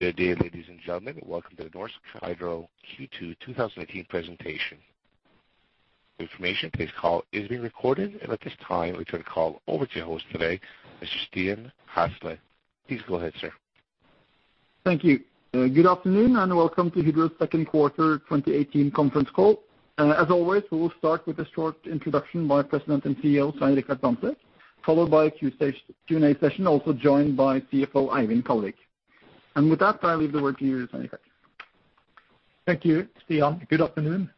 Good day, ladies and gentlemen. Welcome to the Norsk Hydro Q2 2018 presentation. For information, today's call is being recorded. At this time, we turn the call over to your host today, Mr. Stian Hasle. Please go ahead, sir. Thank you. Good afternoon, and welcome to Hydro's second quarter 2018 conference call. As always, we will start with a short introduction by President and CEO, Svein Richard Brandtzæg, followed by a Q&A session, also joined by CFO Eivind Kallevik. With that, I leave the word to you, Svein Richard. Thank you, Stian. Good afternoon,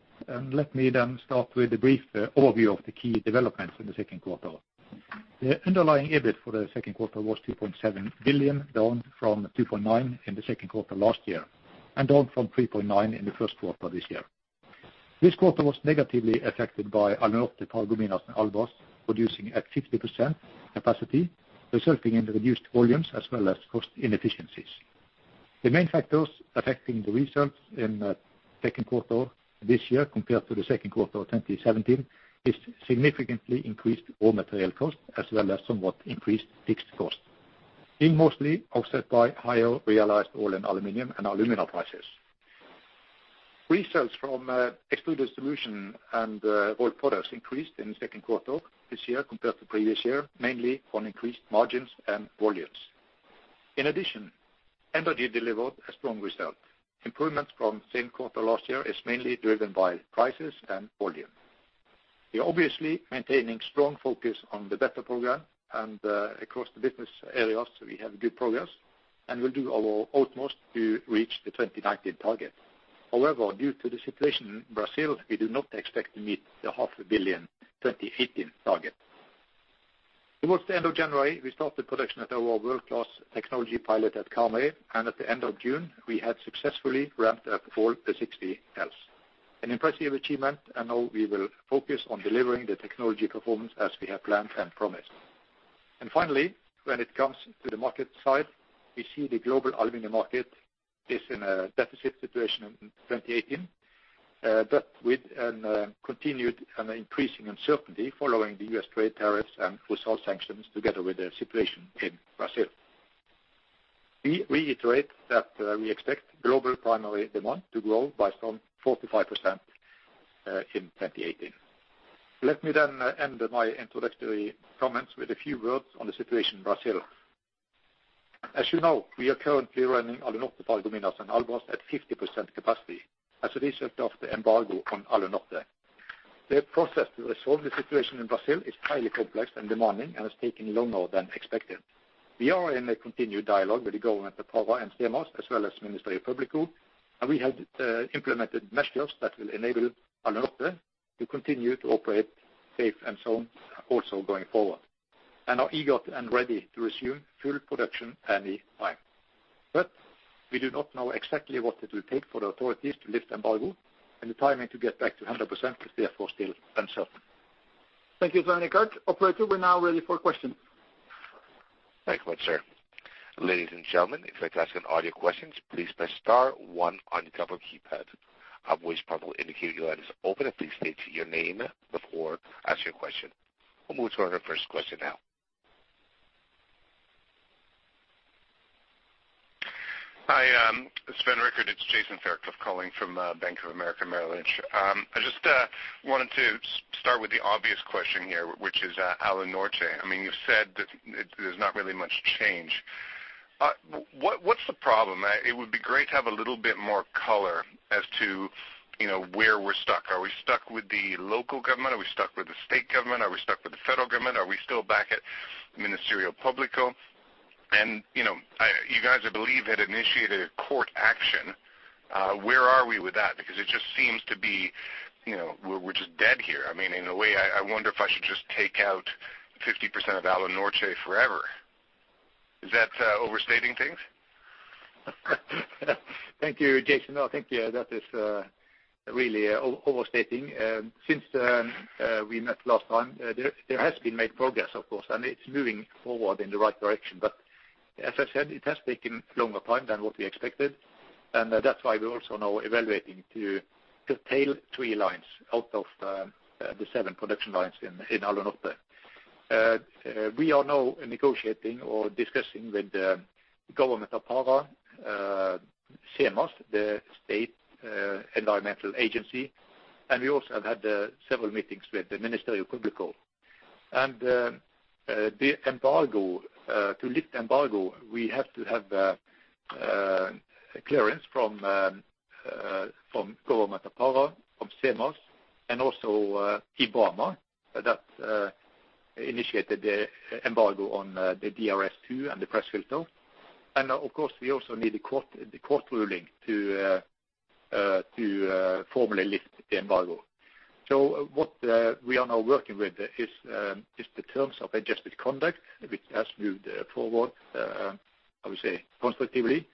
let me then start with a brief overview of the key developments in the second quarter. The underlying EBIT for the second quarter was 2.7 billion, down from 2.9 billion in the second quarter last year, down from 3.9 billion in the first quarter this year. This quarter was negatively affected by Alunorte, Paragominas, and Albras producing at 50% capacity, resulting in reduced volumes as well as cost inefficiencies. The main factors affecting the results in second quarter this year compared to the second quarter 2017 is significantly increased raw material cost, as well as somewhat increased fixed costs, being mostly offset by higher realized oil and aluminum and alumina prices. Resales from Extruded Solutions and Oil Products increased in the second quarter this year compared to previous year, mainly on increased margins and volumes. In addition, Energy delivered a strong result. Improvement from same quarter last year is mainly driven by prices and volume. We're obviously maintaining strong focus on the BETTER program and across the business areas we have good progress, and we'll do our utmost to reach the 2019 target. However, due to the situation in Brazil, we do not expect to meet the half a billion 2018 target. Towards the end of January, we started production at our world-class technology pilot at Karmøy, and at the end of June, we had successfully ramped up all the 60 cells. An impressive achievement. Now we will focus on delivering the technology performance as we have planned and promised. Finally, when it comes to the market side, we see the global aluminum market is in a deficit situation in 2018, but with an continued and increasing uncertainty following the U.S. trade tariffs and wholesale sanctions together with the situation in Brazil. We reiterate that we expect global primary demand to grow by some 4%-5% in 2018. Let me end my introductory comments with a few words on the situation in Brazil. As you know, we are currently running Alunorte, Paragominas, and Albras at 50% capacity as a result of the embargo on Alunorte. The process to resolve the situation in Brazil is highly complex and demanding and is taking longer than expected. We are in a continued dialogue with the government of Pará and SEMAS, as well as Ministério Público, and we have implemented measures that will enable Alunorte to continue to operate safe and sound also going forward, and are eager and ready to resume full production any time. We do not know exactly what it will take for the authorities to lift the embargo, and the timing to get back to 100% is therefore still uncertain. Thank you, Svein Richard. Operator, we are now ready for questions. Thank you much, sir. Ladies and gentlemen, if you'd like to ask an audio questions, please press star one on your telephone keypad. A voice prompt will indicate your line is open. Please state your name before asking your question. We'll move to our first question now. Hi, Svein Richard, it's Jason Fairclough calling from Bank of America Merrill Lynch. I just wanted to start with the obvious question here, which is Alunorte. I mean, you've said that there's not really much change. What's the problem? It would be great to have a little bit more color as to, you know, where we're stuck. Are we stuck with the local government? Are we stuck with the state government? Are we stuck with the federal government? Are we still back at Ministério Público? You know, you guys, I believe, had initiated a court action. Where are we with that? It just seems to be, you know, we're just dead here. I mean, in a way, I wonder if I should just take out 50% of Alunorte forever. Is that, overstating things? Thank you, Jason. No, I think, yeah, that is really overstating. Since we met last time, there has been made progress, of course, and it's moving forward in the right direction. As I said, it has taken longer time than what we expected, and that's why we're also now evaluating to curtail three lines out of the seven production lines in Alunorte. We are now negotiating or discussing with the government of Pará, SEMAS, the state environmental agency, and we also have had several meetings with the Ministério Público. The embargo to lift the embargo, we have to have clearance from government of Pará, from SEMAS, and also IBAMA, that initiated the embargo on the DRS2 and the press filter. Of course, we also need the court ruling to formally lift the embargo. What we are now working with is the Term of Adjusted Conduct, which has moved forward, I would say, constructively,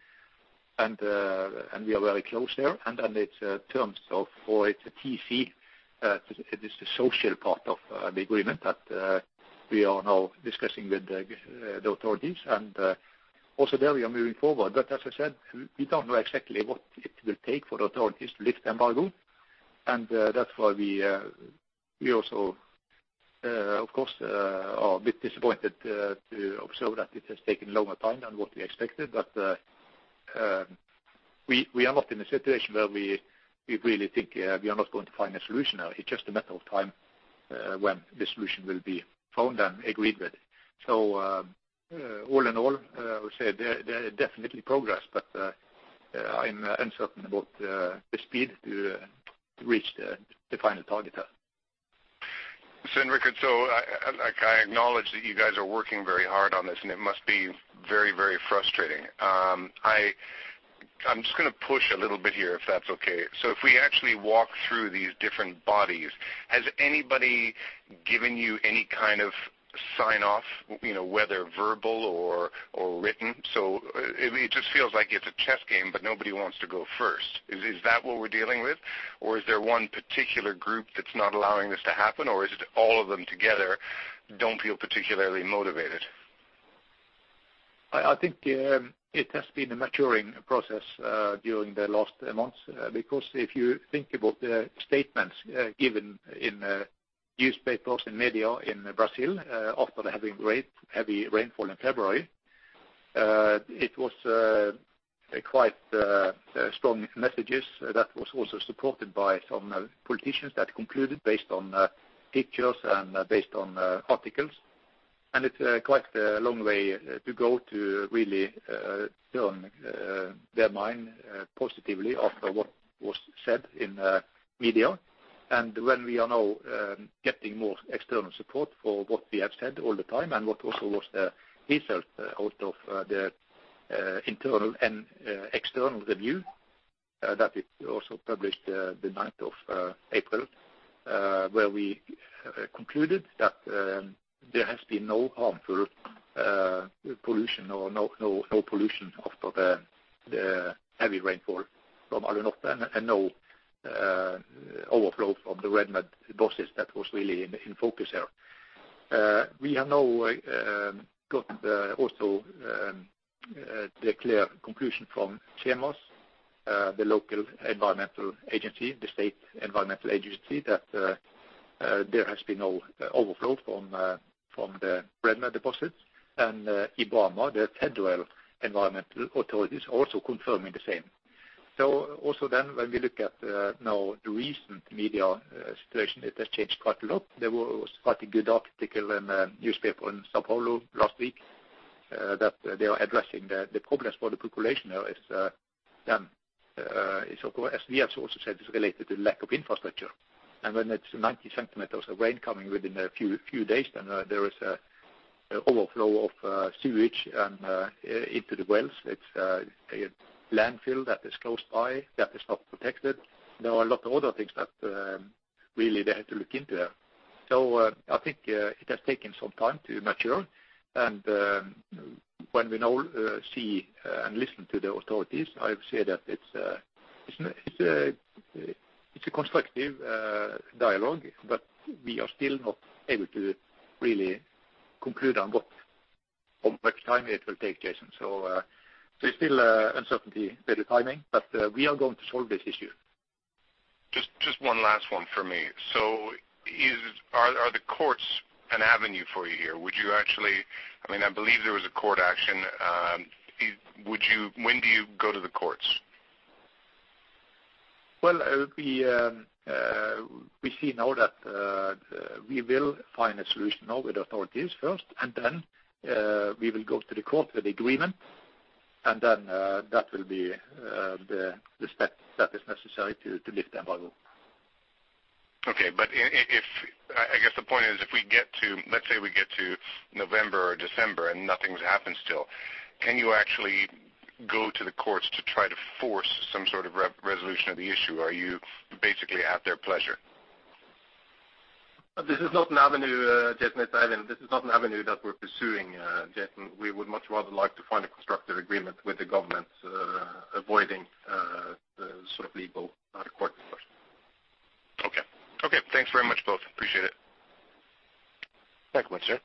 and we are very close there. It's a TC, it is the social part of the agreement that we are now discussing with the authorities. Also there we are moving forward. As I said, we don't know exactly what it will take for the authorities to lift the embargo, and that's why we, of course, a bit disappointed to observe that it has taken longer time than what we expected. We are not in a situation where we really think we are not going to find a solution now. It's just a matter of time when the solution will be found and agreed with. All in all, I would say there is definitely progress, but yeah, I'm uncertain about the speed to reach the final target. Richard, I acknowledge that you guys are working very hard on this, and it must be very, very frustrating. I'm just gonna push a little bit here, if that's okay. If we actually walk through these different bodies, has anybody given you any kind of sign-off, you know, whether verbal or written? It just feels like it's a chess game, but nobody wants to go first. Is that what we're dealing with? Or is there one particular group that's not allowing this to happen? Or is it all of them together don't feel particularly motivated? I think it has been a maturing process during the last months. Because if you think about the statements given in newspapers and media in Brazil, after having rain-heavy rainfall in February, it was a quite strong messages that was also supported by some politicians that concluded based on pictures and based on articles. It's quite a long way to go to really turn their mind positively after what was said in media. When we are now getting more external support for what we have said all the time, and what also was the result out of the internal and external review, that is also published the ninth of April, where we concluded that there has been no harmful pollution or no pollution after the heavy rainfall from Alunorte and no overflow from the red mud deposits that was really in focus here. We have now got also the clear conclusion from SEMAS, the local environmental agency, the state environmental agency, that there has been no overflow from the red mud deposits. IBAMA, the federal environmental authorities, also confirming the same. When we look at now the recent media situation, it has changed quite a lot. There was quite a good article in the newspaper in São Paulo last week that they are addressing the problems for the population now is, as we have also said, related to lack of infrastructure. When it's 90 cm of rain coming within a few days, then there is a overflow of sewage and into the wells. It's a landfill that is close by that is not protected. There are a lot of other things that really they have to look into there. I think it has taken some time to mature. When we now see and listen to the authorities, I would say that it's a constructive dialogue, but we are still not able to really conclude on what time it will take, Jason. There's still uncertainty with the timing, but we are going to solve this issue. Just one last one for me. Are the courts an avenue for you here? I mean, I believe there was a court action. When do you go to the courts? Well, we see now that we will find a solution now with authorities first, and then we will go to the court with agreement, and then that will be the step that is necessary to lift the embargo. Okay, I guess the point is if we get to, let's say we get to November or December and nothing's happened still, can you actually go to the courts to try to force some sort of re-resolution of the issue? Are you basically at their pleasure? This is not an avenue that we're pursuing, Jason. We would much rather like to find a constructive agreement with the government, avoiding the sort of legal court discussion. Okay. Okay, thanks very much, both. Appreciate it. Thank you, sir.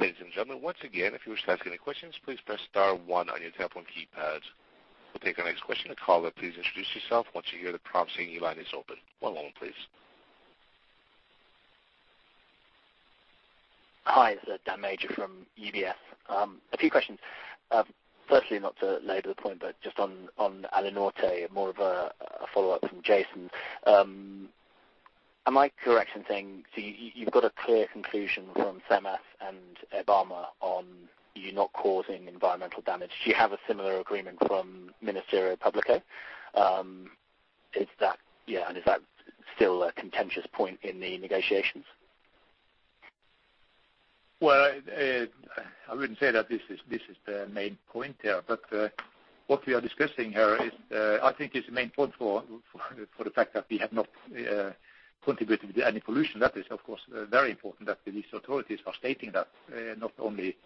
Ladies and gentlemen, once again, if you wish to ask any questions, please press star one on your telephone keypad. We'll take our next question. Caller, please introduce yourself once you hear the prompt saying your line is open. One moment, please. Hi, this is Dan Major from UBS. A few questions. Firstly, not to labor the point, but just on Alunorte, more of a follow-up from Jason. Am I correct in saying, so you've got a clear conclusion from SEMAS and IBAMA on you not causing environmental damage? Do you have a similar agreement from Ministério Público? Is that, yeah, and is that still a contentious point in the negotiations? Well, I wouldn't say that this is, this is the main point here. What we are discussing here is, I think is the main point for, for the fact that we have not, contributed with any pollution. That is, of course, very important that these authorities are stating that, not only,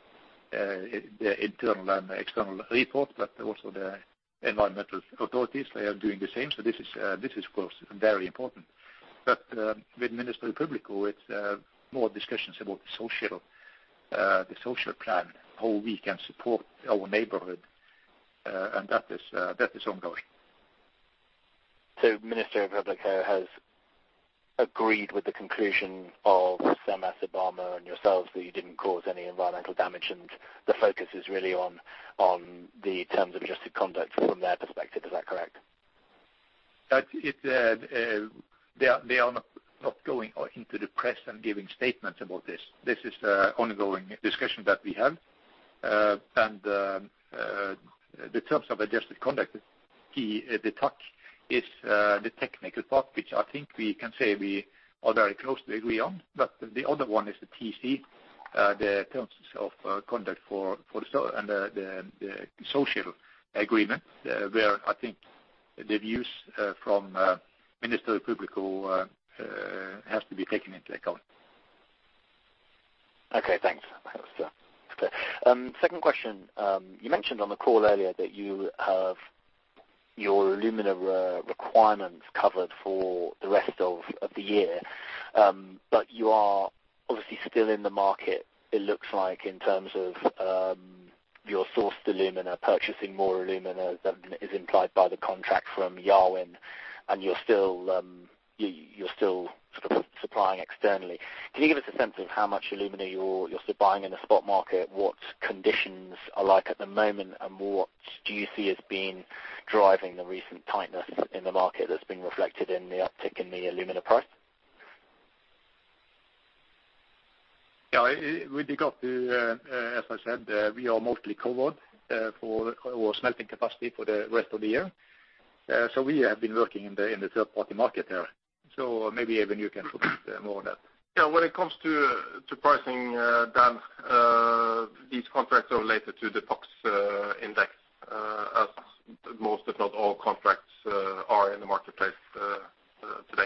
the internal and external report, but also the environmental authorities, they are doing the same. This is, this is of course, very important. With Ministério Público, it's, more discussions about the social, the social plan, how we can support our neighborhood, and that is, that is ongoing. Ministério Público has agreed with the conclusion of SEMAS and IBAMA and yourselves that you didn't cause any environmental damage, and the focus is really on the Term of Adjusted Conduct from their perspective. Is that correct? That it, they are not going into the press and giving statements about this. This is a ongoing discussion that we have. The Term of Adjusted Conduct is key. The TAC is the technical part, which I think we can say we are very close to agree on. The other one is the TC, the terms of conduct for the social agreement, where I think the views from Ministério Público will has to be taken into account. Okay. Thanks. That's clear. Second question. You mentioned on the call earlier that you have your alumina requirements covered for the rest of the year, you are obviously still in the market, it looks like, in terms of your sourced alumina, purchasing more alumina than is implied by the contract from Yarwun, and you're still supplying externally. Can you give us a sense of how much alumina you're still buying in the spot market, what conditions are like at the moment, and what do you see as being driving the recent tightness in the market that's being reflected in the uptick in the alumina price? Yeah. With regard to, as I said, we are mostly covered, for our smelting capacity for the rest of the year. We have been working in the, in the third-party market there. Maybe Eivind you can talk more on that. Yeah. When it comes to pricing, Dan, these contracts are related to the FOBs index, as most if not all contracts are in the marketplace today.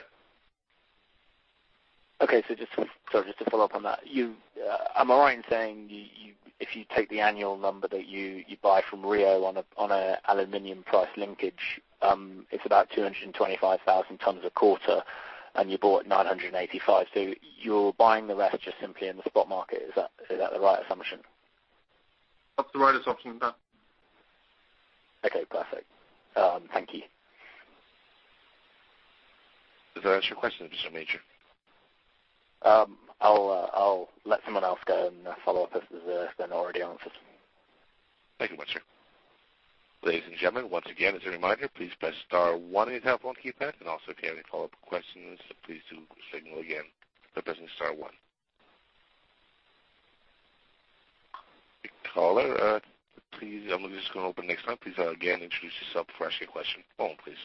Sorry, just to follow up on that. Am I right in saying you, if you take the annual number that you buy from Rio Tinto on an aluminium price linkage, it's about 225,000 tons a quarter, and you bought 985. You're buying the rest just simply in the spot market. Is that the right assumption? That's the right assumption, Dan. Okay. Perfect. Thank you. Does that answer your question to some nature? I'll let someone else go and follow up as it's been already answered. Thank you much, sir. Ladies and gentlemen, once again, as a reminder, please press star one on your telephone keypad. If you have any follow-up questions, please do signal again by pressing star one. Caller, please, I'm just gonna open the next line. Please, again, introduce yourself before asking a question. Phone, please.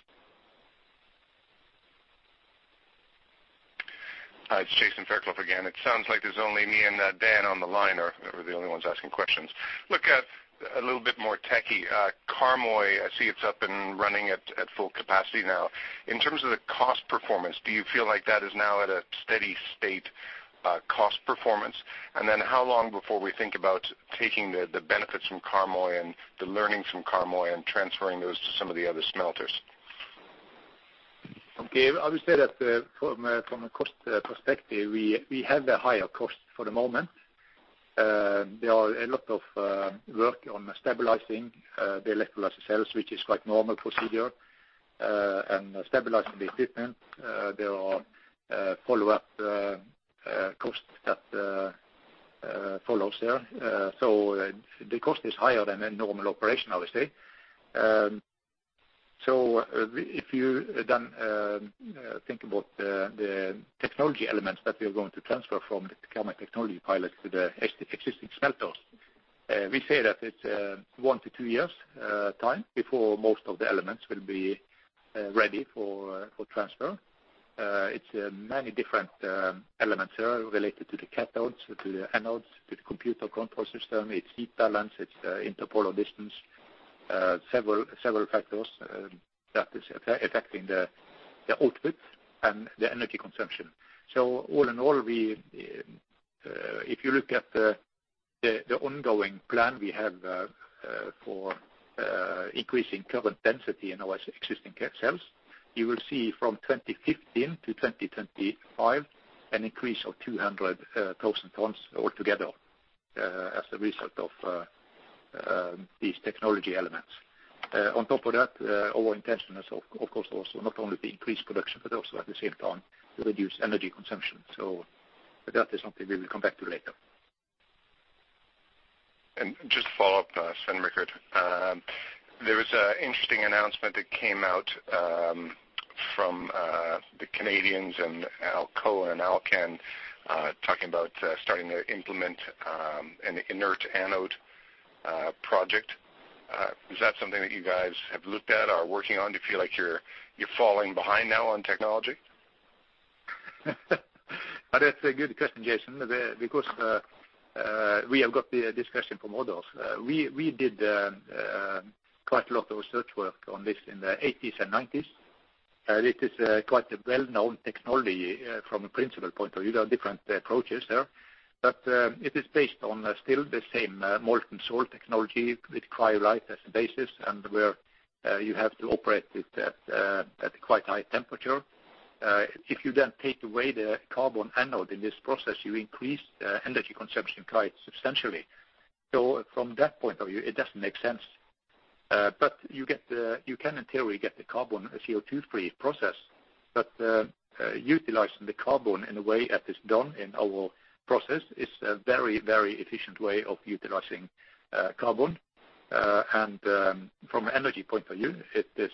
Hi, it's Jason Fairclough again. It sounds like there's only me and Dan on the line, or we're the only ones asking questions. Look, a little bit more techie. Karmøy, I see it's up and running at full capacity now. In terms of the cost performance, do you feel like that is now at a steady state cost performance? How long before we think about taking the benefits from Karmøy and the learnings from Karmøy and transferring those to some of the other smelters? Okay. I would say that from a cost perspective, we have a higher cost for the moment. There are a lot of work on stabilizing the electrolysis cells, which is quite normal procedure. And stabilizing the equipment, there are follow-up costs that follows there. The cost is higher than a normal operation, obviously. If you then think about the technology elements that we are going to transfer from the Karmøy technology pilot to the existing smelters, we say that it's one to two years time before most of the elements will be ready for transfer. It's many different elements related to the cathodes, to the anodes, to the computer control system, its heat balance, its interpolar distance. Several factors that is affecting the output and the energy consumption. All in all, we, if you look at the ongoing plan we have for increasing current density in our existing cells, you will see from 2015 to 2025 an increase of 200,000 tons altogether as a result of these technology elements. On top of that, our intention is of course also not only to increase production, but also at the same time to reduce energy consumption. That is something we will come back to later. Just to follow up, Svein Richard. There was a interesting announcement that came out from the Canadians and Alcoa and Alcan, talking about starting to implement an inert anode project. Is that something that you guys have looked at or are working on? Do you feel like you're falling behind now on technology? That's a good question, Jason, because we have got the discussion from others. We did quite a lot of research work on this in the 1980s and 1990s. It is quite a well-known technology from a principle point of view. There are different approaches there, but it is based on still the same molten salt technology with cryolite as the basis and where you have to operate it at quite high temperature. If you then take away the carbon anode in this process, you increase energy consumption quite substantially. From that point of view, it doesn't make sense. You can in theory get the carbon CO2 free process, but utilizing the carbon in a way that is done in our process is a very, very efficient way of utilizing carbon. From an energy point of view, it is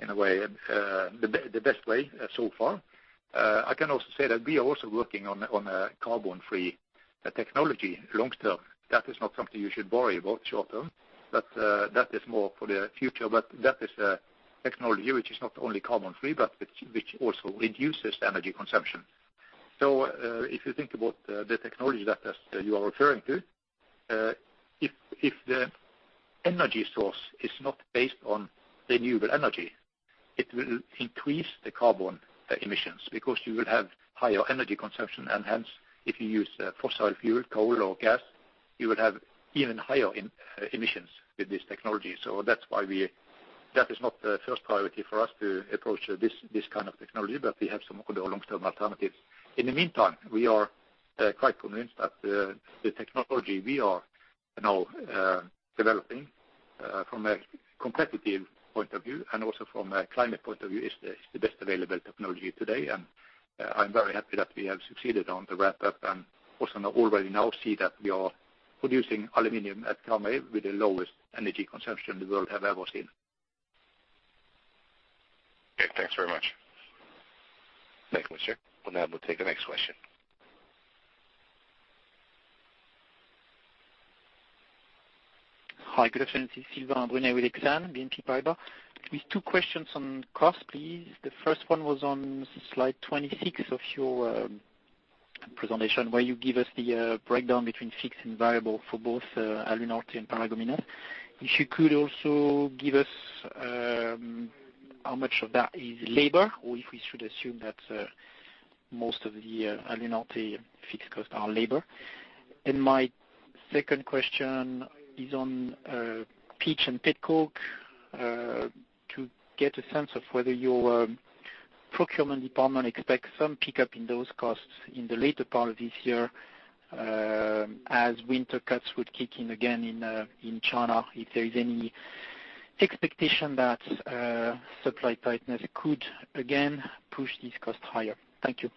in a way the best way so far. I can also say that we are also working on a carbon-free technology long-term. That is not something you should worry about short-term, but that is more for the future. That is a technology which is not only carbon-free, but which also reduces energy consumption. If you think about the technology that as you are referring to, if the energy source is not based on renewable energy, it will increase the carbon emissions because you will have higher energy consumption, and hence, if you use fossil fuel, coal or gas, you will have even higher emissions with this technology. That's why that is not the first priority for us to approach this kind of technology, but we have some other long-term alternatives. In the meantime, we are quite convinced that the technology we are now developing, from a competitive point of view and also from a climate point of view is the, is the best available technology today. I'm very happy that we have succeeded on the ramp up, and also now already now see that we are producing aluminum at Karmøy with the lowest energy consumption the world have ever seen. Okay, thanks very much. Thank you, sir. We'll now take the next question. Hi, good afternoon. This is Sylvain Brunet with Exane BNP Paribas. Two questions on cost, please. The first one was on Slide 26 of your presentation, where you give us the breakdown between fixed and variable for both Alunorte and Paragominas. If you could also give us how much of that is labor or if we should assume that most of the Alunorte fixed costs are labor? And my second question is on pitch and pet coke, to get a sense of whether your procurement department expects some pickup in those costs in the later part of this year, as winter cuts would kick in again in China, if there is any expectation that supply tightness could again push these costs higher? Thank you.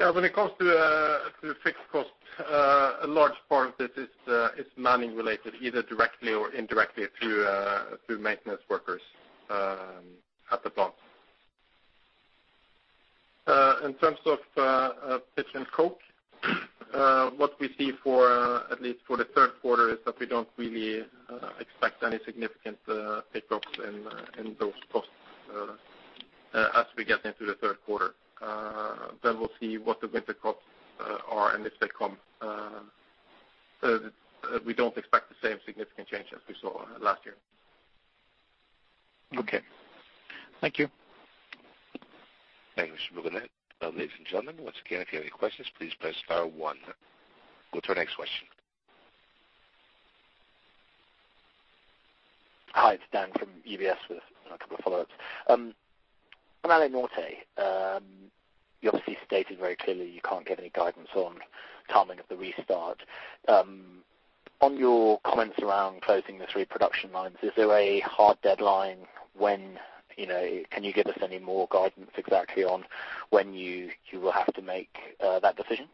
When it comes to fixed cost, a large part of this is manning related either directly or indirectly through maintenance workers at the plant. In terms of pitch and coke, what we see for, at least for the third quarter is that we don't really expect any significant pickups in those costs as we get into the third quarter. Then we'll see what the winter cuts are and if they come. We don't expect the same significant change as we saw last year. Okay. Thank you. Thank you, Mr. Brunet. Ladies and gentlemen, once again, if you have any questions, please press star one. We'll to our next question. Hi, it's Dan from UBS with a couple of follow-ups. on Alunorte, you obviously stated very clearly you can't give any guidance on timing of the restart. on your comments around closing the three production lines, is there a hard deadline when, you know, can you give us any more guidance exactly on when you will have to make that decision?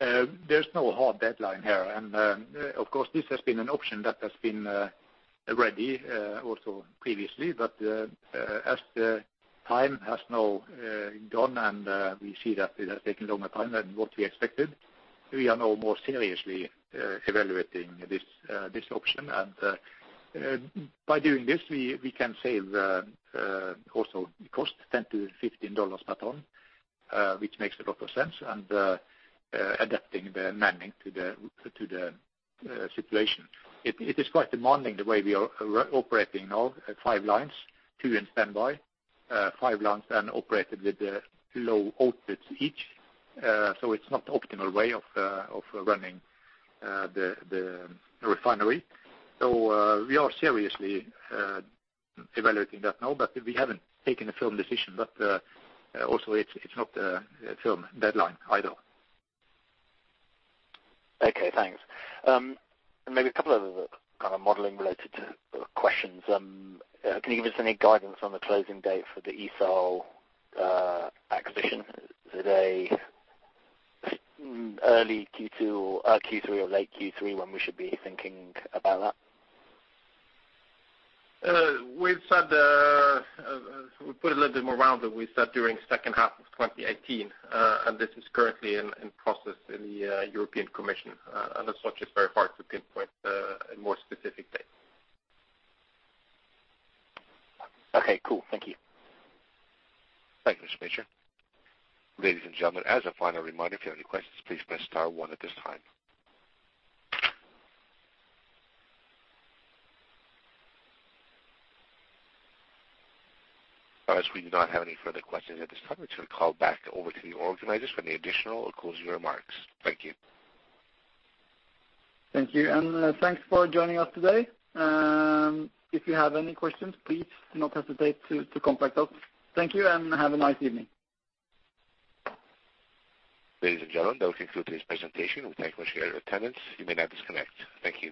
There's no hard deadline here. Of course, this has been an option that has been ready also previously. As the time has now gone and we see that it has taken longer time than what we expected, we are now more seriously evaluating this option. By doing this, we can save also cost $10-$15 per ton, which makes a lot of sense, and adapting the manning to the situation. It is quite demanding the way we are operating now at five lines, two in standby, five lines and operated with the low outputs each. It's not the optimal way of running the refinery. We are seriously evaluating that now, but we haven't taken a firm decision, but also it's not a firm deadline either. Okay, thanks. Maybe a couple of kind of modeling related to questions. Can you give us any guidance on the closing date for the ESA acquisition? Is it a early Q2 or Q3 or late Q3 when we should be thinking about that? We've said, we put a little bit more round that we said during second half of 2018, and this is currently in process in the European Commission, and as such, it's very hard to pinpoint a more specific date. Okay, cool. Thank you. Thank you, Mr. Major. Ladies and gentlemen, as a final reminder, if you have any questions, please press star one at this time. We do not have any further questions at this time, let's recall back over to the organizers for any additional or closing remarks. Thank you. Thank you. Thanks for joining us today. If you have any questions, please do not hesitate to contact us. Thank you. Have a nice evening. Ladies and gentlemen, that will conclude this presentation. We thank you for your attendance. You may now disconnect. Thank you.